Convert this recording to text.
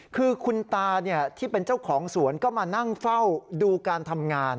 คือคุณตาที่เป็นเจ้าของสวนก็มานั่งเฝ้าดูการทำงาน